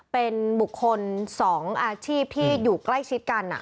เป็นบุคคล๒อาชีพที่อยู่ใกล้ชิดกัน